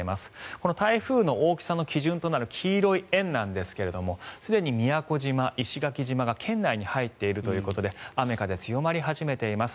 この台風の大きさの基準となる黄色い円なんですがすでに宮古島、石垣島が圏内に入っているということで雨風強まり始めています。